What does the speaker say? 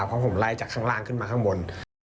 เพราะผมไล่จากข้างล่างขึ้นมาข้างบน